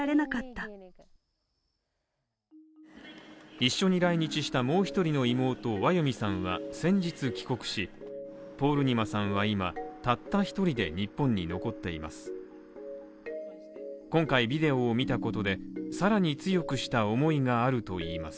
一緒に来日したもう１人の妹はワヨミさんは先日帰国し、ポールニマさんは今、たった１人で日本に残っています。